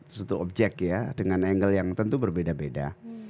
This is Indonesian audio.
suatu objek ya dengan angle yang tentu berbeda beda